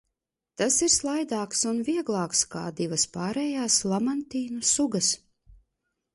Tas ir slaidāks un vieglāks kā divas pārējās lamantīnu sugas.